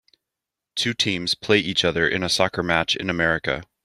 Two teams play each other in a soccer match in America.